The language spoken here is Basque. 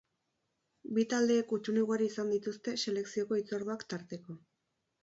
Bi taldeek hutsune ugari izan dituzte selekzioko hitzorduak tarteko.